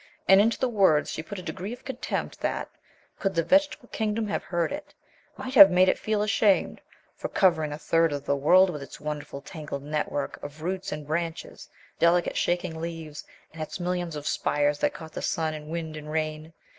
And into the words she put a degree of contempt that, could the vegetable kingdom have heard it, might have made it feel ashamed for covering a third of the world with its wonderful tangled network of roots and branches, delicate shaking leaves, and its millions of spires that caught the sun and wind and rain.